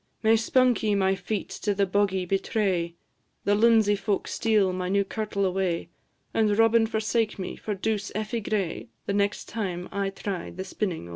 May Spunkie my feet to the boggie betray, The lunzie folk steal my new kirtle away, And Robin forsake me for douce Effie Gray, The next time I try the spinnin' o't."